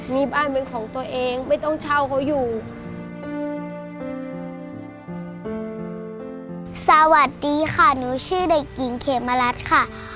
สวัสดีค่ะหนูชื่อเด็กหญิงเขมรัฐค่ะ